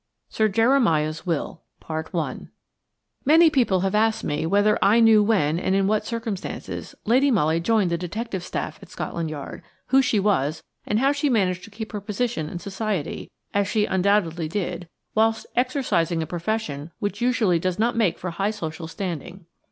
XISIR JEREMIAH'S WILL MANY people have asked me whether I knew when, and in what circumstances, Lady Molly joined the detective staff at Scotland Yard, who she was, and how she managed to keep her position in Society–as she undoubtedly did–whilst exercising a profession which usually does not make for high social standing.